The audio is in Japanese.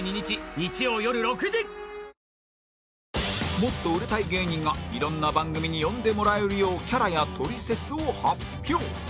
もっと売れたい芸人がいろんな番組に呼んでもらえるようキャラや取説を発表！